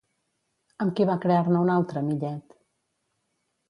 Amb qui va crear-ne una altra Millet?